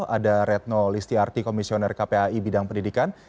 ada retno listiarti komisioner kpai bidang pendidikan